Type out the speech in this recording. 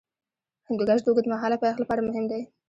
هندوکش د اوږدمهاله پایښت لپاره مهم دی.